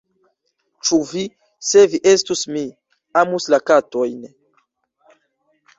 “Ĉu vi, se vi estus mi, amus la katojn?”